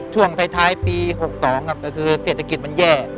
ช่วงท้ายปี๖๒ครับก็คือเศรษฐกิจมันแย่